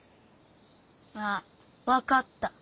あっ分かった。